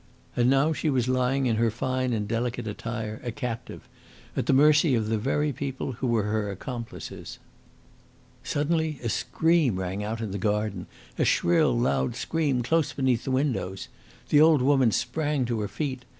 And now she was lying in her fine and delicate attire a captive, at the mercy of the very people who were her accomplices. Suddenly a scream rang out in the garden a shrill, loud scream, close beneath the windows. The old woman sprang to her feet.